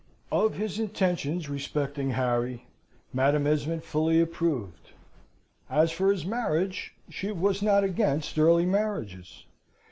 Of his intentions respecting Harry, Madam Esmond fully approved. As for his marriage, she was not against early marriages.